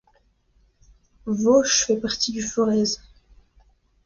Veauche fait partie du Forez.